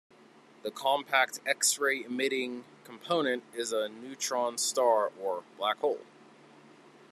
The compact, X-ray emitting, component is a neutron star or black hole.